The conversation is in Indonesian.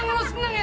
seneng seneng ya